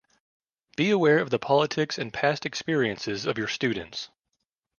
Be aware of the politics and past experiences of your students.